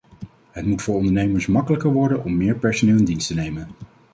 Het moet voor ondernemers makkelijker worden om meer personeel in dienst te nemen.